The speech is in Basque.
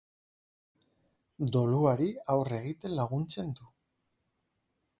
Doluari aurre egiten laguntzen du.